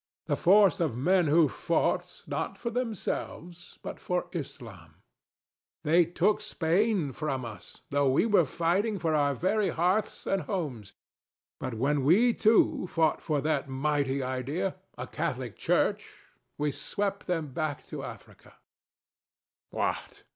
The force of men who fought, not for themselves, but for Islam. They took Spain from us, though we were fighting for our very hearths and homes; but when we, too, fought for that mighty idea, a Catholic Church, we swept them back to Africa. THE DEVIL. [ironically] What!